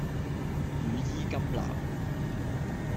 羽衣甘藍